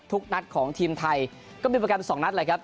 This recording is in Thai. ทุกนัดของทีมไทยก็มีโปรแกรม๒นัดแหละครับ